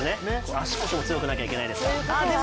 足腰も強くないといけないですから。